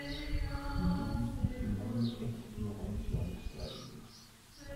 Toute justice humaine expirait sur le seuil.